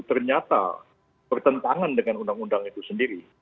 ternyata bertentangan dengan undang undang itu sendiri